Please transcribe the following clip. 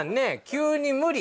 急に無理。